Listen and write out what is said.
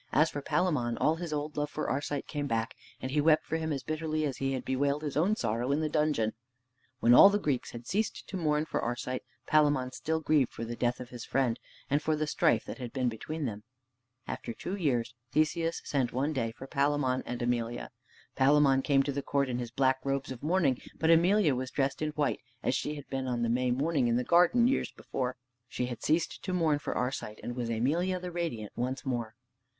As for Palamon, all his old love for Arcite came back, and he wept for him as bitterly as he had bewailed his own sorrow in the dungeon. When all the Greeks had ceased to mourn for Arcite, Palamon still grieved for the death of his friend, and for the strife that had been between them. After two years Theseus sent one day for Palamon and Emelia. Palamon came to the court in his black robes of mourning; but Emelia was dressed in white, as she had been on the May morning in the garden years before. She had ceased to mourn for Arcite, and was Emelia the Radiant once more.